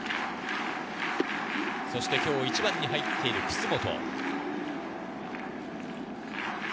今日１番に入っている楠本。